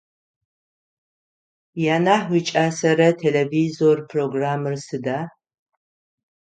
Янахь уикӏасэрэ телевизор програмыр сыда?